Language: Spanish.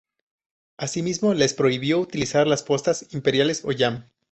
Asimismo les prohibió utilizar las postas imperiales o yam.